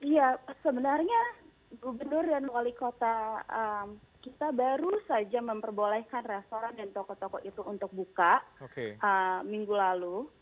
ya sebenarnya gubernur dan wali kota kita baru saja memperbolehkan restoran dan toko toko itu untuk buka minggu lalu